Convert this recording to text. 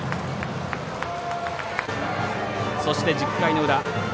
そして、１０回の裏。